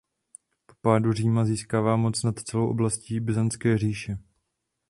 Po pádu Říma získává moc nad celou oblastí Byzantská říše.